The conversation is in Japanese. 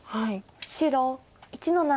白１の七。